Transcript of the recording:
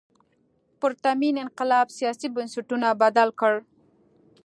پرتمین انقلاب سیاسي بنسټونه بدل کړل.